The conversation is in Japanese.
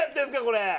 これ。